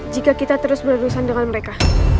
jika kita terus berurusan dengan mereka